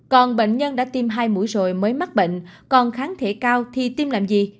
còn bệnh nhân đã tiêm hai mũi rồi mới mắc bệnh còn kháng thể cao thì tiêm làm gì